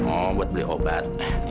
oh buat beli obat